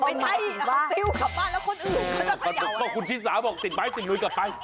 ไม่ใช่ติ้วกลับบ้านแล้วคนอื่นก็จะเขย่าแหละ